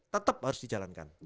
tetap harus dijalankan